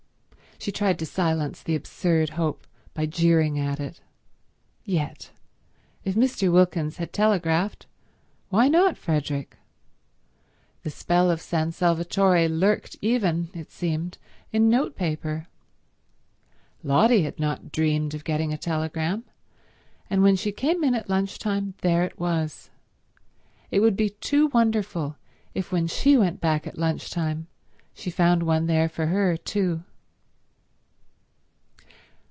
She tried to silence the absurd hope by jeering at it. Yet—if Mr. Wilkins had telegraphed, why not Frederick? The spell of San Salvatore lurked even, it seemed, in notepaper. Lotty had not dreamed of getting a telegram, and when she came in at lunch time there it was. It would be too wonderful if when she went back at lunch time she found one there for her too.